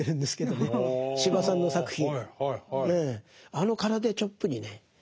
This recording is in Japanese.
あの空手チョップにね